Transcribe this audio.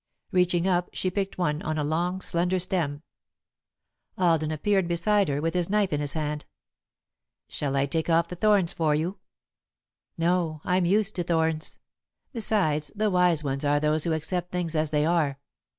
Reaching up, she picked one, on a long, slender stem. [Sidenote: The Crimson Rose] Alden appeared beside her, with his knife in his hand. "Shall I take off the thorns for you?" "No, I'm used to thorns. Besides, the wise ones are those who accept things as they are."